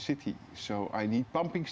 jadi saya butuh pembentuk